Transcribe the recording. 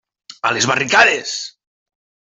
A les Barricades!